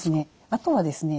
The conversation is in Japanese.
あとはですね